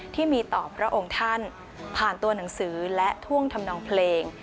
ที่มีต่อพระองค์ท่านผ่านตัวหนังสือและท่วงทำนองเพลง